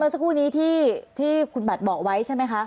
สักครู่นี้ที่คุณบัตรบอกไว้ใช่ไหมคะ